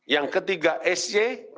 yang ketiga sj